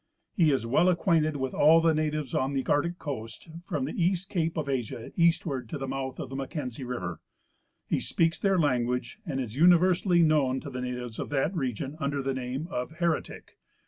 He is well acquainted with all the natives on the Arctic coast from the East cape of Asia eastward to the mouth of the Mac kenzie river. He speaks their language and is universally known to the natives of that region under the name of " Heretic."